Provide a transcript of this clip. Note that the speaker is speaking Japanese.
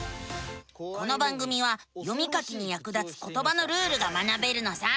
この番組は読み書きにやく立つことばのルールが学べるのさ。